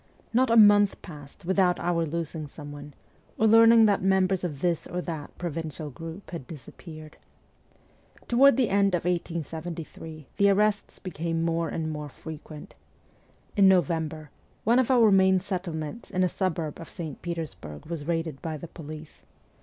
Not a month passed without oar losing someone, or learning that members of this or that pro vincial group had disappeared. Tpward the end of 1873 the arrests became more and more frequent. In November one of our main settlements in a suburb of St. Petersburg was raided by the police.